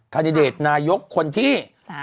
คันดิเดตนายกคนที่๓